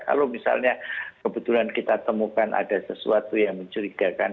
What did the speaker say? kalau misalnya kebetulan kita temukan ada sesuatu yang mencurigakan